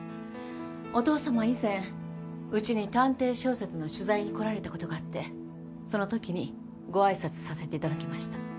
お父さまは以前うちに探偵小説の取材に来られたことがあってそのときにご挨拶させていただきました。